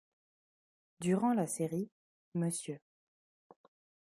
Durant la série, Mr.